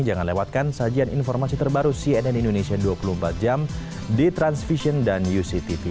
jangan lewatkan sajian informasi terbaru cnn indonesia dua puluh empat jam di transvision dan uctv